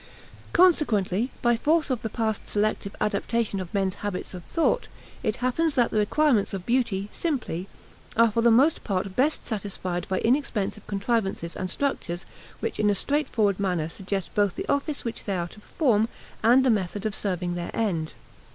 Consequently, by force of the past selective adaptation of men's habits of thought, it happens that the requirements of beauty, simply, are for the most part best satisfied by inexpensive contrivances and structures which in a straightforward manner suggest both the office which they are to perform and the method of serving their end.